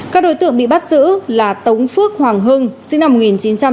các đối tượng bị bắt giữ là tống phước hoàng hưng sinh năm một nghìn chín trăm tám mươi